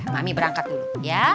mami berangkat dulu ya